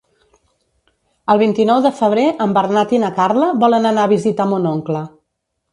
El vint-i-nou de febrer en Bernat i na Carla volen anar a visitar mon oncle.